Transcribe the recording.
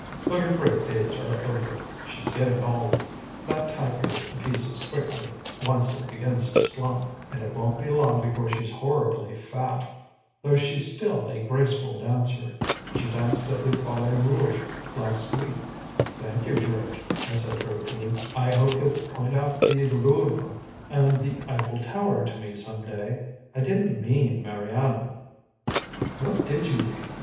But her great days are over: she's getting old; that type goes to pieces quickly, once it begins to slump, and it won't be long before she'll be horribly fat, though she's still a graceful dancer. She danced at the Folie Rouge last week." "Thank you, George," I said gratefully. "I hope you'll point out the Louvre and the Eiffel Tower to me some day. I didn't mean Mariana." "What did you mean?"